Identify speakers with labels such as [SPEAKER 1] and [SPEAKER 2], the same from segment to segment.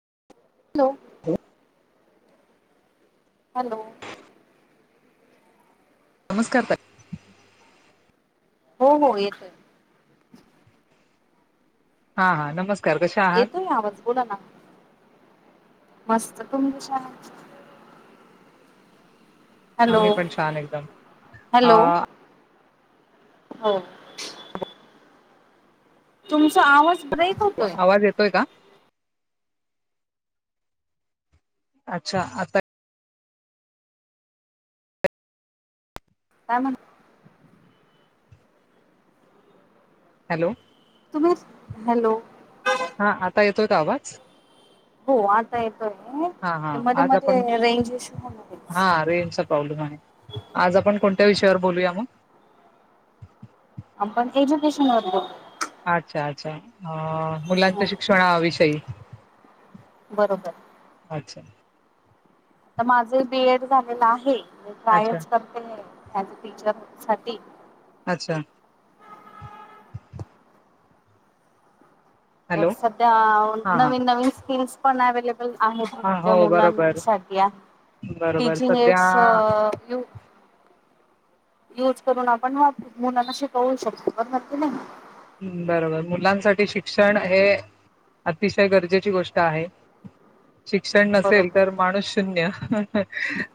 [SPEAKER 1] [unintelligible]
[SPEAKER 2] [inaudible]
[SPEAKER 1] Hello.
[SPEAKER 2] नमस्कार ताई.
[SPEAKER 1] हो हो येतंय.
[SPEAKER 2] हां हां नमस्
[SPEAKER 1] येतोय आवाज बोलाना. मस्त तुमच्या
[SPEAKER 2] आम्ही पण छान एकदम
[SPEAKER 1] हॅलो
[SPEAKER 2] अं
[SPEAKER 1] हो. तुमचा आवाज ब्रेक होतोय
[SPEAKER 2] आवाज येतोय का? अच्छा! आता
[SPEAKER 1] का म्हण
[SPEAKER 2] हॅलो
[SPEAKER 1] हॅलो
[SPEAKER 2] हा आता येतोय का आवाज?
[SPEAKER 1] हो आता येतोय
[SPEAKER 2] हा हा
[SPEAKER 1] ते मध्ये
[SPEAKER 2] आज आपण
[SPEAKER 1] मध्ये रेंज इश्यू होणारच
[SPEAKER 2] हा रेंजचा प्रॉब्लेम आहे आज आपण कोणत्या विषयावर बोलूया मग
[SPEAKER 1] आपण एज्युकेशनवर बोलू.
[SPEAKER 2] अच्छा अच्छा अ मुलांचे शिक्षणा विषयी
[SPEAKER 1] बरोबर
[SPEAKER 2] अच्छा
[SPEAKER 1] माझं बीएड झालेलं आहे
[SPEAKER 2] अच्छा
[SPEAKER 1] कायच करते आज टीचर साठी
[SPEAKER 2] अच्छा
[SPEAKER 1] तर
[SPEAKER 2] हॅलो
[SPEAKER 1] सध्या
[SPEAKER 2] हा हा
[SPEAKER 1] नवीन नवीन स्किम्स [inaudible] आहेत
[SPEAKER 2] हा,
[SPEAKER 1] ज्या
[SPEAKER 2] हो बरोबर
[SPEAKER 1] मुलांसाठी
[SPEAKER 2] बरोबर
[SPEAKER 1] टीचिंग
[SPEAKER 2] सध्या
[SPEAKER 1] एडस यू यूज करून आपण वा मुलांना शिकवू शकतो बरोबर की नाही.
[SPEAKER 2] हम्म बरोबर मुलांसाठी शिक्षण हे अतिशय गरजेची गोष्ट आहे. शिक्षण नसेल
[SPEAKER 1] बरोबर.
[SPEAKER 2] तर माणूस शून्य. ह हा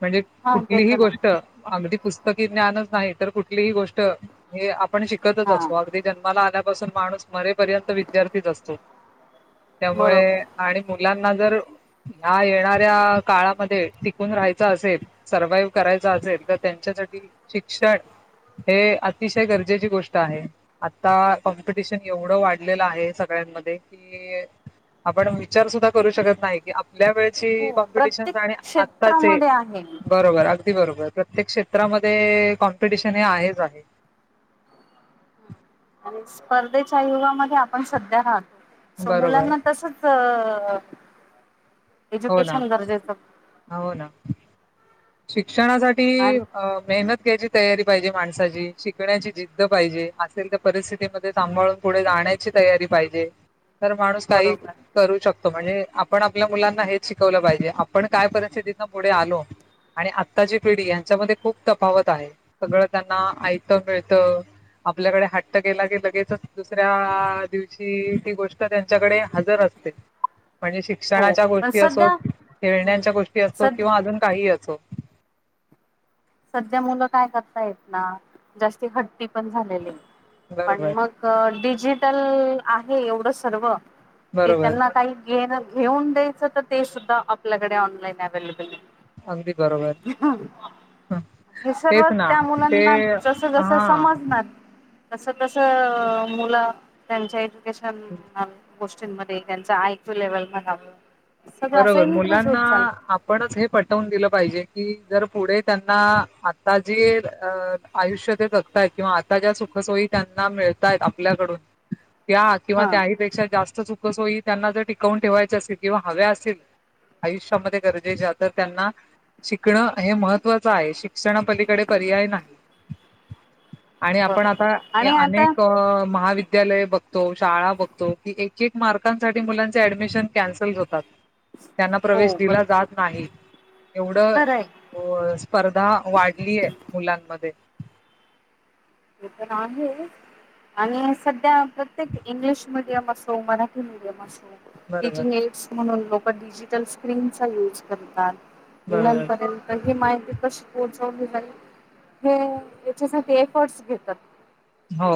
[SPEAKER 2] म्हणजे
[SPEAKER 1] हा ते
[SPEAKER 2] कुठलीही
[SPEAKER 1] तर
[SPEAKER 2] गोष्ट
[SPEAKER 1] नाही
[SPEAKER 2] अगदी पुस्तक त की ज्ञानच नाही तर कुठलीही गोष्ट हे पण शिकतच
[SPEAKER 1] हा
[SPEAKER 2] असो अगदी त्यां आल्यापासून माणूस मरेपर्यंत विद्यार्थीच असतो.
[SPEAKER 1] बरोबर
[SPEAKER 2] त्यामुळे आणि यांना जर ह्या येणाऱ्या काळामध्ये टिकून राहायचं असेल सर्वाइव्ह करायच असेल तर त्यांच्यासाठी शिक्षण हे अतिशय गरजेची गोष्ट आहे. आता कॉम्पिटिशन एवढं वाढलेलं आहे सगळ्यांमध्ये कि आपण विचार सुद्धा करू शकत नाही, की आपल्या वेळची
[SPEAKER 1] हो प्रत्येक
[SPEAKER 2] कॉम्पिटिशनस आणि आत्ताचे
[SPEAKER 1] क्षेत्रामध्ये आहे
[SPEAKER 2] बरोबर अगदी बरोबर. प्रत्येक क्षेत्रामध्ये कॉम्पिटिशन हे आहेच आहे
[SPEAKER 1] आणि स्पर्धेच्या युगामध्ये आपण सध्या राहतो. सो
[SPEAKER 2] बरोबर
[SPEAKER 1] मुलांना तसच अ ह
[SPEAKER 2] हो ना,
[SPEAKER 1] एजुकेशन गरजेच
[SPEAKER 2] हो ना. शिक्षणासाठी मेहनत घ्यायची तयारी पाहिजे माणसाची शिकण्याची जिद्द पाहिजे असेल तर परिस्थितीमध्येध्ये सांभाळून पुढे जाण्याची तयारी पाहिजे तर माणूस काही
[SPEAKER 1] बरोबर.
[SPEAKER 2] करू शकतो म्हणजे आपण आपल्या मुलांना हेच शिकवलं पाहिजे आपण काय परिस्थितीत ना पुढे आलो आणि आत्ताची पिढी यांच्यामध्ये खूप तफावत आहे सगळं त्यांना ऐत मिळत आपल्याकडे हट्ट केला की लगेचच दुसऱ्या दिवशी ती गोष्ट त्यांच्याकडे हजर असते म्हणजे
[SPEAKER 1] हो
[SPEAKER 2] शिक्षणाच्या
[SPEAKER 1] पण
[SPEAKER 2] गोष्टी असो
[SPEAKER 1] सध्या
[SPEAKER 2] खेळण्याच्या गोष्टी असतो
[SPEAKER 1] सध
[SPEAKER 2] किंवा अजून काही असो
[SPEAKER 1] सध्या मुलं काय करता येत ना जास्ती हट्टी पण झालेली आहेत पण
[SPEAKER 2] बरोबर.
[SPEAKER 1] मग डिजिटल आहे एवढं सर्व की
[SPEAKER 2] बरोबर.
[SPEAKER 1] त्यांना काही घेण घेऊन द्यायचं तर ते सुद्धा आपल्याकडे ऑनलाईन अव्लेबल आहे
[SPEAKER 2] अगदी बरोबर हं.
[SPEAKER 1] हे सर्व
[SPEAKER 2] तेच ना.
[SPEAKER 1] त्या
[SPEAKER 2] ते
[SPEAKER 1] मुलांना जस जसं
[SPEAKER 2] हां.
[SPEAKER 1] समजणार तस तस मुलं त्यांच्या इथ [inaudible] गोष्टींमध्ये त्यांच आयक्यू लेव्हल बनाव
[SPEAKER 2] बरोबर मुलांना आपणच हे पटवून दिलं पाहिजे की जर पुढे त्यांना आता जे अ आयुष्य ते जगताय किंवा आता ज्या सुखसोयी त्यांना मिळतायत आपल्याकडून त्या किंवा
[SPEAKER 1] हा
[SPEAKER 2] त्याहीपेक्षा जास्त सुख सोई त्यांना जर टिकवून ठेवायची असे किंवा हव्या आयुष्यामध्ये गरजेच्या तर त्यांना शिकणं हे महत्वाचं आहे शिक्षणा पलीकडे पर्याय नाही आणि आपण
[SPEAKER 1] बरोबर
[SPEAKER 2] आता
[SPEAKER 1] आणि आता
[SPEAKER 2] अनेक महाविद्यालय बघतो शाळा बघतो की ते एक मार्कांसाठी मुलांचे ऍडमिशन कॅन्सल होतात त्यांना
[SPEAKER 1] हो
[SPEAKER 2] प्रवेश दिला
[SPEAKER 1] बरोबर
[SPEAKER 2] जात नाही एवढं
[SPEAKER 1] खरंय
[SPEAKER 2] अ स्पर्धा वाढलीय मुलांमध्ये
[SPEAKER 1] ते पण आहे आणि सध्या प्रत्येक इंग्लिश मध्ये मिडीयम असो मराठी म मिडियम असो
[SPEAKER 2] बरोबर
[SPEAKER 1] तिची एड् म्हणून पण डिजटल स्क्रीनचा युज करतात
[SPEAKER 2] बरोबर
[SPEAKER 1] मुलांपर्यंत ही माहिती कशी सावनी बाई हे हिच्यासाठी ये फर्स घेतात
[SPEAKER 2] हो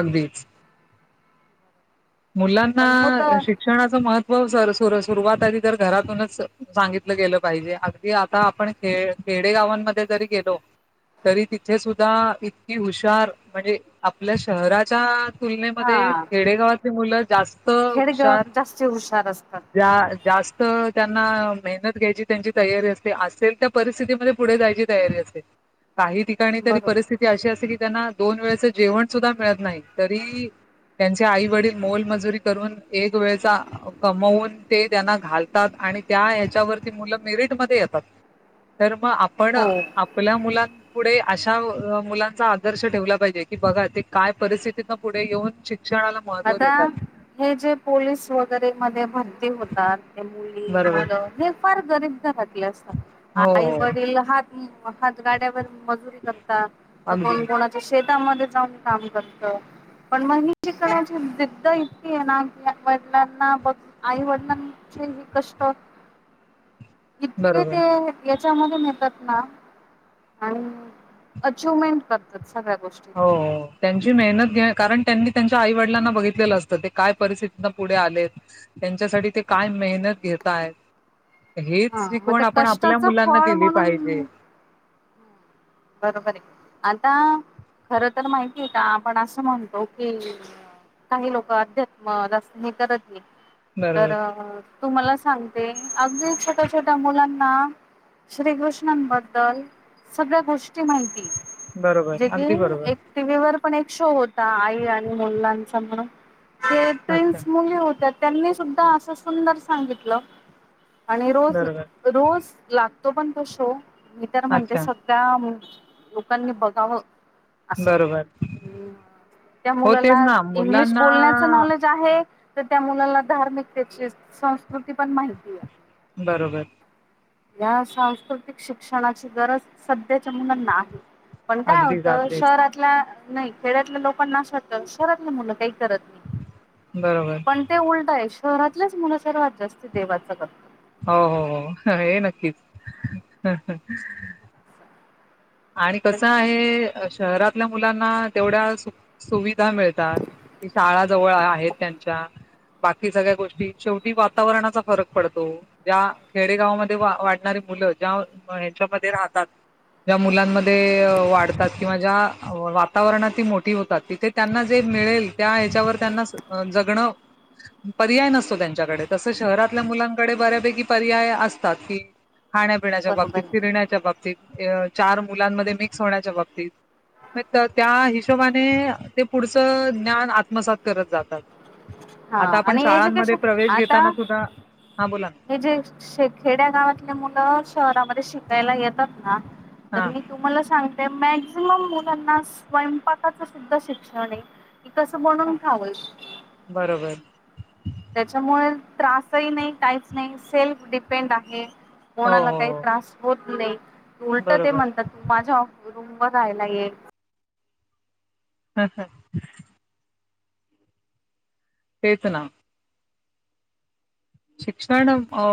[SPEAKER 2] अगदीच मुलांना
[SPEAKER 1] पण होत
[SPEAKER 2] शिक्षणाचं महत्त्व सर सुरुवातध तर घरातूनच सांगितलं गेलं पाहिजे सुरवात आदितर घरातूनच सांगितलं गेल पाहिजे आगदी आता आपण खे खेडे गावांमध्ये जरी गेलो तरी तिथे सुद्धा इतकी हुशारआपल्या म्हणजे आपल्या शहराच्या तुलनेमध्ये
[SPEAKER 1] हा
[SPEAKER 2] खेडेगावात मुलं जास्त
[SPEAKER 1] खेडग
[SPEAKER 2] हुशार
[SPEAKER 1] जास्ती हुशार असतात
[SPEAKER 2] जास्त त्यांना मेहनत घ्यायची त्यांची तयारी असते असेल त्या परिस्थितीमध्ये पुढे जायची तयारी असते काही ठिकाणी तरी
[SPEAKER 1] बरोबर
[SPEAKER 2] परिस्थिती अशी असते की त्यांना दोन वेळेच जेवण सुद्धा मिळत नाही तरी त्यांचे आईवडील मोलमजुरी करून एक वेळचा कमवून ते त्यांना घालतात आणि त्या हेच्यावरती मुलं मेरिटमध्ये येतात तर म आपण
[SPEAKER 1] हो.
[SPEAKER 2] आपल्या मुलांत पुढे अशा मुलांचा आदर्श ठेवला पाहिजे की बघा ते काय परिस्थितीन पुढे येऊन शिक्षणाला महत्त्व
[SPEAKER 1] आता
[SPEAKER 2] देतात.
[SPEAKER 1] हे जे पोलीस वगैरे मध्ये म्ह ते होतात हे मुली
[SPEAKER 2] बरोबर
[SPEAKER 1] मुलं हे फार गं [inaudible]
[SPEAKER 2] हो
[SPEAKER 1] आई वडील हात हातगाड्यावर मजुरी करतात तर
[SPEAKER 2] अगदी.
[SPEAKER 1] कोण कोणाचे शेत कामाला जाऊन काम करत पण म ही ण्या ज इतकी आहे ना की वडलांना बस आई वडिलांचे हे कष्ट इतके
[SPEAKER 2] बरोबर
[SPEAKER 1] ते चांगले म्हणतात ना हा अचूमेंट करतात. सगळ्या गोष्टींची
[SPEAKER 2] हो त्यांची मेहनत घ्या कारण त्यांनी त्यांच्या आई वडिलांना बघितलेलं असतं ते काय परिस्थिती पुढे आले त्यांच्यासाठी ते काय मेहनत घेता आहेत. हेच
[SPEAKER 1] हा मग ते
[SPEAKER 2] शिकवण आपण आपल्या
[SPEAKER 1] कष्टाचं
[SPEAKER 2] मुलांना
[SPEAKER 1] फळ
[SPEAKER 2] दिली
[SPEAKER 1] म्हणून
[SPEAKER 2] पाहिजे.
[SPEAKER 1] बरोबर आहे आता खर तर माहिती आहे का आपण असं म्हणतो की काही लोक अध्यात्म हे करत तर
[SPEAKER 2] बरोबर
[SPEAKER 1] तू मला सांगते. अगदी छोट्या छोट्या मुलांना श्रीकृष्णांबद्दल सगळ्या गोष्ट माहिती जे
[SPEAKER 2] बरोबर
[SPEAKER 1] की
[SPEAKER 2] अगदी बरोबर
[SPEAKER 1] एक टी व्ही वर पण एक शो होता आई आणि मुलांचा म्हणून ते
[SPEAKER 2] अच्छा
[SPEAKER 1] ट्विन्स मुली होतात. त्यांनी सुद्धा असं सुंदर सांगितलं. आणि रोज
[SPEAKER 2] बरोबर
[SPEAKER 1] रोज लाग तो पण कसो मी तर म्हणते
[SPEAKER 2] अच्छा
[SPEAKER 1] सध्या लोकांनी बघावं अस
[SPEAKER 2] बरोबर
[SPEAKER 1] त्या
[SPEAKER 2] हो तेच
[SPEAKER 1] मुलाला
[SPEAKER 2] ना
[SPEAKER 1] इंग्लिश
[SPEAKER 2] मुलांना
[SPEAKER 1] बोलण्याच नॉलेज आहे. तर त्या मुलाला धार्मिकतेची, संस्कृतीची पण माहितीआहे.
[SPEAKER 2] बरोबर
[SPEAKER 1] या सांस्कृतिक शिक्षणाची गरज सध्या मुलांनाआहे. पण काय
[SPEAKER 2] अगदीच
[SPEAKER 1] होतं
[SPEAKER 2] अगदीच
[SPEAKER 1] शहरातला नाही खेड्यातल्या लोक नाशवात शहरातले मुलं काही करत नाहीत.
[SPEAKER 2] बरोबर
[SPEAKER 1] पण ते उलट घरातल्याच मूल सर्वात जास्त देवाचं करतात
[SPEAKER 2] हो हो हो हे नक्कीच. [inaudible] आणि कसं आहे शहरातल्या मुलांना तेवढ्या सु सुविधा मिळतात की शाळा जवळ आहेत त्यांच्या बाकी सगळ्या गोष्टी शेवटी वातावरणाचा फरक पडतो, ज्या खेडेगावामध्ये वाढणारी मुलं ज्या ह्यांच्यामध्ये राहतात ज्या मुलांमध्ये वाढतात किंवा ज्या वातावरणात ती मोठी होतात तिथे त्यांना जे मिळेल त्या ह्याच्यावर त्यांना जगणं पर्याय नसतो त्यांच्याकडे तसं शहरातल्या मुलांकडे बऱ्यापैकी पर्याय असतात कि खाण्यापिण्याच्या बाबतीत,
[SPEAKER 1] बरोबर
[SPEAKER 2] फिरण्याच्या बाबतीत [inaudible] चार मुलांमध्ये मिक्स होण्याच्या बाबतीत त्या हिशोबाने ते पुढचं ज्ञान आत्मसात करत जातात.
[SPEAKER 1] हा
[SPEAKER 2] आता आपण
[SPEAKER 1] आणि
[SPEAKER 2] शाळांमध्ये
[SPEAKER 1] एज्युकेशन
[SPEAKER 2] प्रवेश
[SPEAKER 1] आता
[SPEAKER 2] घेताना सुद्धा हा बोला
[SPEAKER 1] हे जेे खेड्या गावातले मुलं शहरामध्ये शिकायला येतात. ह तर
[SPEAKER 2] ना
[SPEAKER 1] मी तुम्हाला सांग ते मॅक्झिमम मुलांना स्वयंपाकाचं सुद्धा शिक्षण आहे. की कसं
[SPEAKER 2] हा
[SPEAKER 1] बनून खाऊ
[SPEAKER 2] बरोबर
[SPEAKER 1] त्रासही नाही काहीच नाही सेल्फ डिपेंड आहे,
[SPEAKER 2] हो
[SPEAKER 1] कोणाला
[SPEAKER 2] हो
[SPEAKER 1] काही
[SPEAKER 2] हो
[SPEAKER 1] त्रास होत नाही. उलट ते
[SPEAKER 2] बरोबर
[SPEAKER 1] म्हणतात माझ्या रूम वर राहायला ये
[SPEAKER 2] ह ह तेच ना. शिक्षण अ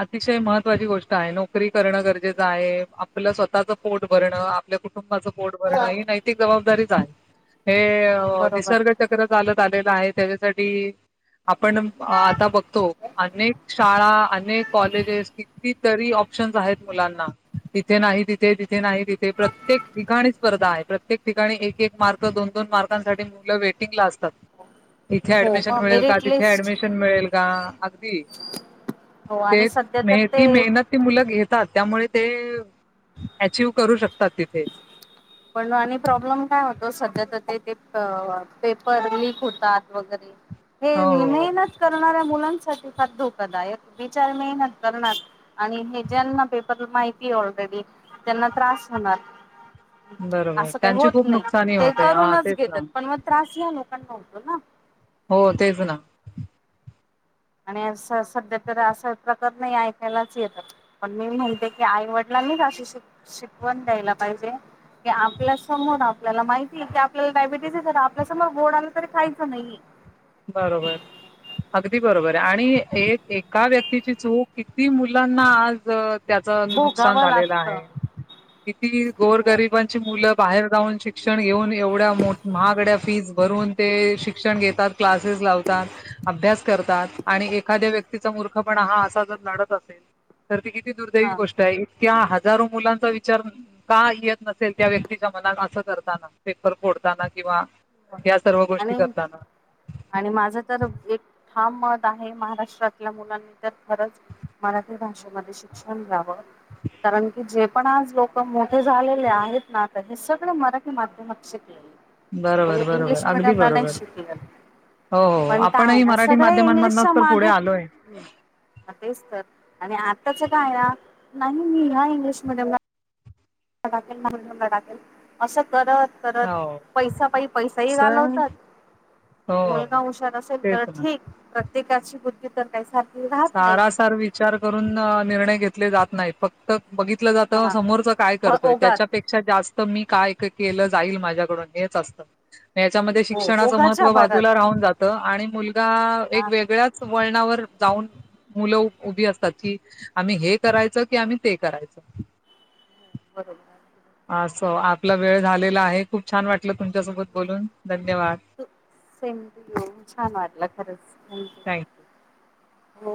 [SPEAKER 2] अतिशय महत्वाची गोष्ट आहे, नोकरी करणं गरजेचं आहे, आपलं स्वतःचं पोट भरणं, आपल्या कुटुंबाचं पोट भरण ही नैतिक जबाबदारी [unintelligible] हे
[SPEAKER 1] बरोबर.
[SPEAKER 2] निसर्ग चक्र चालत आलेलं आहे तेज्यासाठी आपण आता बघतो आनेक शाळा आनेक कॉलेजेस किती तरी ऑप्शन्स आहेत मुलांना इथे नाही तिथे तिथे नाही तिथे प्रत्येक ठिकाणी स्पर्धा आहे प्रत्येक ठिकाणी एक एक मार्क दोन दोन मार्कांसाठी मुलं वेटिंगला असतात. इथ
[SPEAKER 1] हो
[SPEAKER 2] ऍडमिशन
[SPEAKER 1] मग
[SPEAKER 2] मिळेल का
[SPEAKER 1] मेरिट
[SPEAKER 2] तिथे
[SPEAKER 1] लिस्ट
[SPEAKER 2] ऍडमिशन मिळेल गा आगदी
[SPEAKER 1] हो आणि
[SPEAKER 2] तेच
[SPEAKER 1] सध्या तर
[SPEAKER 2] मेथी
[SPEAKER 1] ते
[SPEAKER 2] मेहनत ती मुलं घेत तात त्यामुळे ते अँचिव करू शकतात तिथे
[SPEAKER 1] पण आणि प्रॉब्लेम काय होतो सध्या तर ते ते पेपर लीक होतात वगैरे हे
[SPEAKER 2] हो
[SPEAKER 1] मेहनत करणाऱ्या मुलां साठी फार धोकादायक विचार नाही ना करनार आणि ज्यांना पेपर माहिती ऑलरेडी त्यांना त्रास होणार
[SPEAKER 2] बरोबर
[SPEAKER 1] आसं काय
[SPEAKER 2] त्यांची
[SPEAKER 1] होत
[SPEAKER 2] खूप
[SPEAKER 1] नाही
[SPEAKER 2] नुकसानी
[SPEAKER 1] ते
[SPEAKER 2] होते हा
[SPEAKER 1] करूनच
[SPEAKER 2] तेच ना
[SPEAKER 1] घेतात पण म त्रास ह्या नो नुकसान होत ना?
[SPEAKER 2] हो तेच ना
[SPEAKER 1] आणि असं सध्या तर असं प्रकार नाही ऐकायलाच येतातं पण मी माहिते की आईवडिलांनीच अशी श शिकवण द्यायला पाहिजे की आपल्यासमोर आपल्याला माहिती आहे की आपल्याला डायबिटीस हे तर आपल्यासमोर गोड आलं तरी खायचं नाही.
[SPEAKER 2] बरोबर अगदी बरोबर आणि एक एका व्यक्तीची चूक किती मुलांना आज त्याच नुकसान
[SPEAKER 1] भोगावं
[SPEAKER 2] झालेलं
[SPEAKER 1] लागतं
[SPEAKER 2] आहे किती
[SPEAKER 1] हो
[SPEAKER 2] गोरगरिबांची मुलं बाहेर जाऊन शिक्षण घेऊन एवढ्या मो महागड्या फीज भरून ते शिक्षण घेतात क्लासेस लावतात, अभ्यास करतात, आणि एखाद्या व्यक्तीचा मूर्ख पण हा असा जर नढत असेल तर ती किती दुर्दैवी
[SPEAKER 1] हा
[SPEAKER 2] गोष्ट आहे. त्या हजारो मुलांचा विचार का येत नसेल त्या व्यक्तीच्या मनात आसं करताना पेपर फोडताना किंवा या सर्व गोष्टी
[SPEAKER 1] आणि
[SPEAKER 2] करताना?
[SPEAKER 1] आणि माझं तर एक ठाम मत आहे महाराष्ट्रातल्या मुलांनी तर खरंच मराठी भाषेमध्ये शिक्षण घ्यावं. कारण की जे पण आज लोक मोठे झालेले आहेत ना तर हे सगळे मराठी माध्यमात शिकलेले
[SPEAKER 2] बरोबर
[SPEAKER 1] कोणी
[SPEAKER 2] बरोबर
[SPEAKER 1] इंग्लिश
[SPEAKER 2] आगदी
[SPEAKER 1] मिडियमला नाही
[SPEAKER 2] बरोबर
[SPEAKER 1] शिकलं
[SPEAKER 2] हो हो
[SPEAKER 1] पण काय
[SPEAKER 2] आपणही
[SPEAKER 1] ना
[SPEAKER 2] मराठी
[SPEAKER 1] सगळे
[SPEAKER 2] माध्यमां
[SPEAKER 1] इंग्लिशच्या
[SPEAKER 2] मधनच तर पुढे
[SPEAKER 1] मागे
[SPEAKER 2] आलोय.
[SPEAKER 1] मग तेच तर आणि आत्ताच काय आहे ना नाही मी ह्या इंग्लिश मिडियम घातलेत म्हणून मी घरात हे आसं करत करत
[SPEAKER 2] हो
[SPEAKER 1] पैसा पायी पैसाही
[SPEAKER 2] तर
[SPEAKER 1] घालवतात
[SPEAKER 2] हो
[SPEAKER 1] मुलगा हुशार असेल
[SPEAKER 2] तेच
[SPEAKER 1] तर
[SPEAKER 2] ना
[SPEAKER 1] ठीक प्रत्येकाची बु द्धी तर काय सारखं
[SPEAKER 2] सारासार विचार करून निर्णय घेत ले जात नाही फक्त बघितलं जात
[SPEAKER 1] हा
[SPEAKER 2] समोरच काय
[SPEAKER 1] भ-
[SPEAKER 2] करतोय
[SPEAKER 1] ओघात
[SPEAKER 2] त्याच्यापेक्षा जास्त मी काय केलं जाईल माझ्याकडून हेच असतं याच्यामध्ये
[SPEAKER 1] हो
[SPEAKER 2] शिक्षणाचं
[SPEAKER 1] ओघाच्या
[SPEAKER 2] महत्त्व
[SPEAKER 1] भरात
[SPEAKER 2] बाजूला राहून जातं आणि मुलगा एक
[SPEAKER 1] हा
[SPEAKER 2] वेगळ्याच वळणावर जाऊन मुलं उभी असतात कि आम्ही हे करायचं कि आम्ही ते करायच
[SPEAKER 1] बरोबर
[SPEAKER 2] असो आपला वेळ झालेला आहे खूप छान वाटलं तुमच्यासोबत बोलून धन्यवाद
[SPEAKER 1] हो.. सेंधू येऊन छान वाटला खरंच
[SPEAKER 2] थँक्यू
[SPEAKER 1] हो